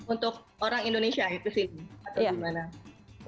untuk orang indonesia yang ke sini atau gimana